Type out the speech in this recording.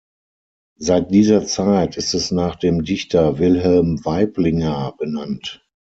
Seit dieser Zeit ist es nach dem Dichter Wilhelm Waiblinger benannt.